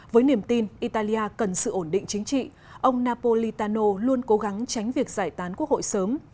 với niềm tin italia cần sự ổn định chính trị ông napolitano luôn cố gắng tránh việc giải tán quốc hội sớm